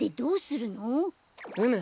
うむ。